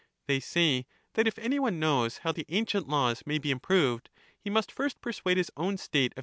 They say that if any one knows how the ancient laws A reformer may be improved, he must first persuade his own State of ^^°"^^jj^.